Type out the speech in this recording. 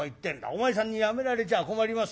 お前さんに辞められちゃ困りますよ」。